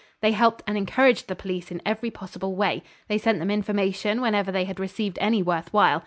They helped and encouraged the police in every possible way. They sent them information whenever they had received any worth while.